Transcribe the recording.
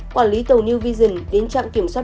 quản lý tàu new vision đến trạm kiểm soát